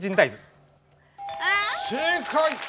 正解！